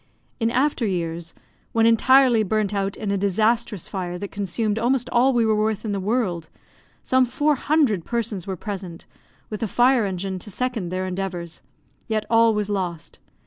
In after years, when entirely burnt out in a disastrous fire that consumed almost all we were worth in the world, some four hundred persons were present, with a fire engine to second their endeavours, yet all was lost.